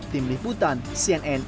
tim liputan cnn